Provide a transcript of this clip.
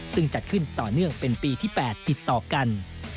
ซึ่งจัดขึ้นต่อเนื่องเป็นปีที่๘ติดต่อกัน